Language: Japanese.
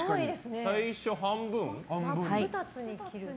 最初、半分。